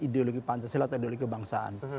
ideologi pancasila atau ideologi kebangsaan